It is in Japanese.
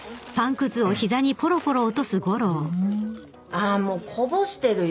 あもうこぼしてるよ。